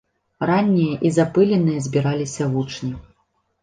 Раннія і запыленыя збіраліся вучні.